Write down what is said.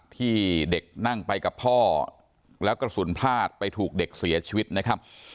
ที่เด็กนั่งไปกับพ่อแล้วกระสุนพลาดไปถูกเด็กเสียชีวิตนะครับ